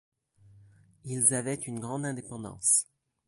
Ils avaient une grande indépendance.